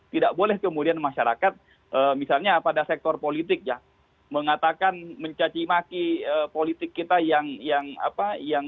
tidak boleh kemudian masyarakat misalnya pada sektor politik ya mengatakan mencacimaki politik kita yang